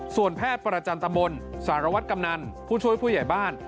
ส่วนแพทย์ประจันตมนต์สารวัตรกำนันผู้ช่วยผู้ใหญ่บ้าน